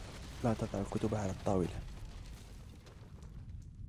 لا تضع الكتب على الطاولة.